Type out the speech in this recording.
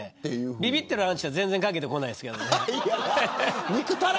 びびってるアンチは全然かけてこないですけど。